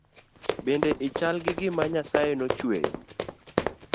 Bende i chal gi gima nyasaye no chweyo